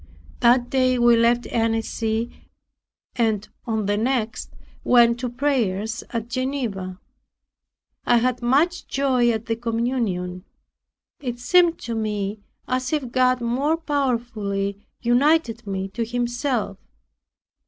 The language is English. That day we left Annecy, and on the next went to prayers at Geneva. I had much joy at the communion. It seemed to me as if God more powerfully united me to Himself.